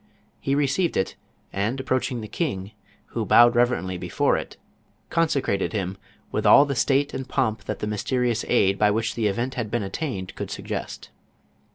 lie received it and, approaching the king, who bowed reverently before it, anointed and 168 JOAN OF ARC. consecrated liim with all the state and pomp that the mysterious aid by which the event had been attained, could suggest.